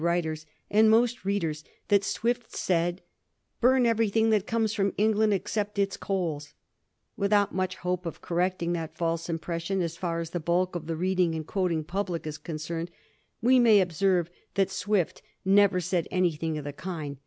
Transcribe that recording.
319 writers and most readers that Swift said, 'Bum everything that comes from England, except its coals/ Without much hope of correcting that false impression so £ar as the bulk of the reading and quoting public is concerned, we may observe that Swift never said anything of the kind.